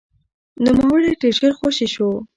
نوموړی ډېر ژر خوشې شو.